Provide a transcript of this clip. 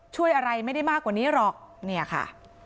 ช่วยอะไรไม่ได้มากกว่านี้หรอกเนี่ยค่ะ